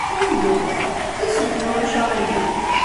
Ay imeddukal, susmet ma ulac aɣilif.